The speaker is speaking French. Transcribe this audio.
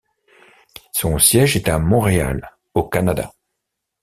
Son siège est à Montréal au Canada.